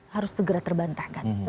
harus segera terbantahkan